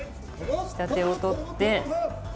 下手を取って。